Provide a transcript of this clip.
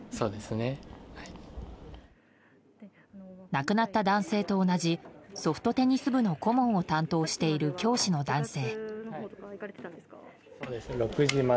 亡くなった男性と同じソフトテニス部の顧問を担当している教師の男性。